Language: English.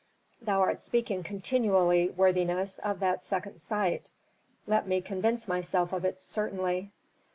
"Thou art speaking continually, worthiness, of that second sight. Let me convince myself of it certainly."